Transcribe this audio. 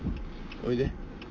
おいで。